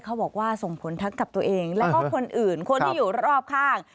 บอกว่าส่งผลทั้งกับตัวเองแล้วก็คนอื่นคนที่อยู่รอบข้าง